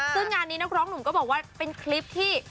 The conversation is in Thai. ซึ่งงานนี้นักร้องหนุ่มก็บอกว่าเป็นคลิปที่